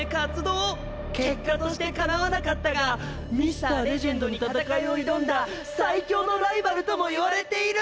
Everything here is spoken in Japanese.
「結果としてかなわなかったがＭｒ．レジェンドに戦いを挑んだ最強のライバルとも言われている」。